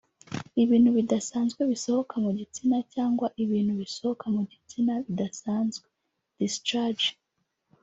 Ibintu bidasanzwe bisohoka mu gitsina cyangwa ibintu bisohoka mu gitsina bidasanzwe (discharge